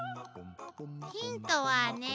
ヒントはねえ